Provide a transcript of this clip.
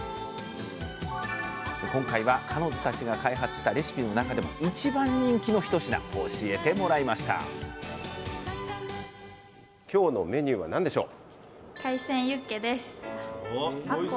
で今回は彼女たちが開発したレシピの中でも一番人気の一品教えてもらいました今日のメニューは何でしょう？